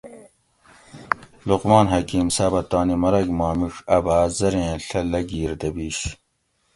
لقمان حکیم صاۤبہ تانی مرگ ما مِیڄ ا بھاۤ زریں ڷہ لگیر دۤبیش